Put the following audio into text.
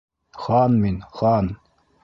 Хан мин, хан!